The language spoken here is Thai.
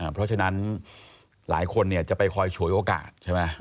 เพราะฉะนั้นหลายคนจะไปคอยฉวยโอกาสใช่ไหม